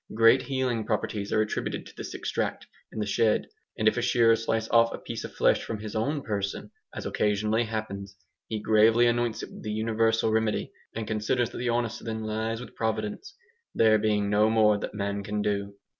Great healing properties are attributed to this extract in the shed. And if a shearer slice off a piece of flesh from his own person, as occasionally happens, he gravely anoints it with the universal remedy, and considers that the onus then lies with Providence, there being no more that man can do.